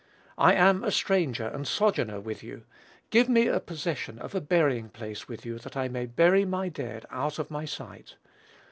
"I am a stranger and a sojourner with you: give me a possession of a burying place with you that I may bury my dead out of my sight."